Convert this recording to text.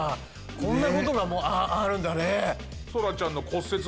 こんなことがもうあるんだね。